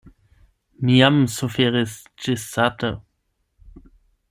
Mi jam suferis ĝissate.